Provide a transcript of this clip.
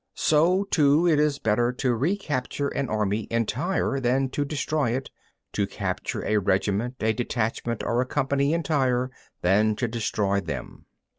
So, too, it is better to capture an army entire than to destroy it, to capture a regiment, a detachment or a company entire than to destroy them.